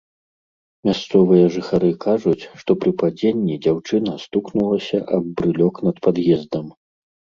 Мясцовыя жыхары кажуць, што пры падзенні дзяўчына стукнулася аб брылёк над пад'ездам.